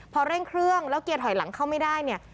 พอเร่งเครื่องแล้วเกียร์ถอยหลังเข้าไม่ได้เนี่ย